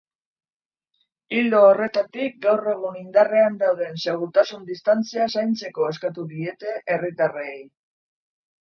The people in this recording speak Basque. Ildo horretatik, gaur egun indarrean dauden segurtasun-distantziak zaintzeko eskatu diete herritarrei.